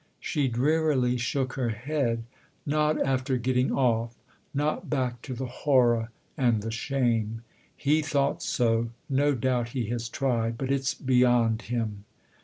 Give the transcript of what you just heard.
She drearily shook her head. "Not after getting off 'not back to the horror and the shame. He thought so ; no doubt he has tried. But it's beyond him."